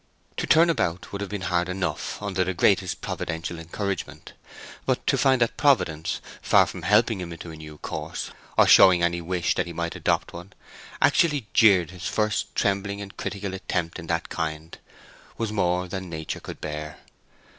To turn about would have been hard enough under the greatest providential encouragement; but to find that Providence, far from helping him into a new course, or showing any wish that he might adopt one, actually jeered his first trembling and critical attempt in that kind, was more than nature could bear.